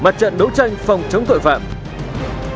mặt trận đấu tranh phòng chống dịch bệnh covid một mươi chín